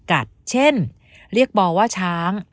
ไว้ว่าพี่เขาชอบพูดจาน็บแอบจิกกัดเช่นเรียกปอว่าช้าง